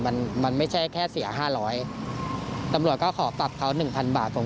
มันมันไม่ใช่แค่เสีย๕๐๐บาทตำรวจก็ขอปรับเขา๑๐๐๐บาทผม